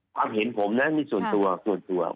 ความเห็นผมนะนี่ส่วนตัวส่วนตัว